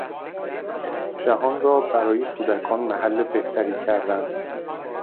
جهان را برای کودکان محل بهتری کردن